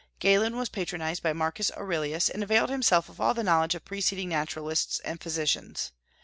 Galen was patronized by Marcus Aurelius, and availed himself of all the knowledge of preceding naturalists and physicians.